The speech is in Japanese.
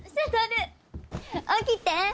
起きて！